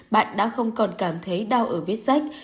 bạn đã không còn cảm thấy đau ở vết rách